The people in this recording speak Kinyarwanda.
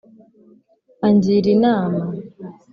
angira inama